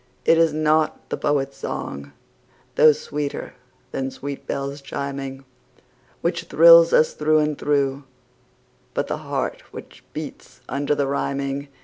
And it is not the poet's song, though sweeter than sweet bells chiming, Which thrills us through and through, but the heart which beats under the rhyming.